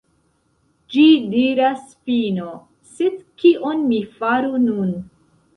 Ĝi diras "fino", sed kion mi faru nun?